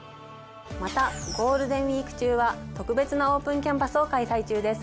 またゴールデンウィーク中は特別なオープンキャンパスを開催中です。